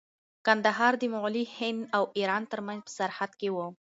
کندهار د مغلي هند او ایران ترمنځ په سرحد کې و.